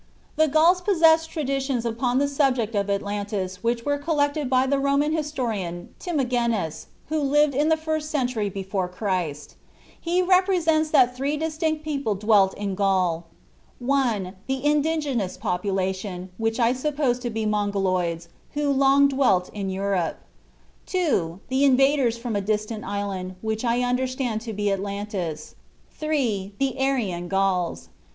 "The Gauls possessed traditions upon the subject of Atlantis which were collected by the Roman historian Timagenes, who lived in the first century before Christ. He represents that three distinct people dwelt in Gaul: 1. The indigenous population, which I suppose to be Mongoloids, who had long dwelt in Europe; 2. The invaders from a distant island, which I understand to be Atlantis; 3. The Aryan Gauls."